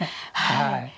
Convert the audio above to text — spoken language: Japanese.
はい。